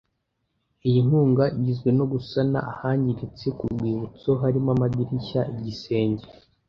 Iyi nkunga igizwe no gusana ahangiritse ku rwibutso harimo amadirishya igisenge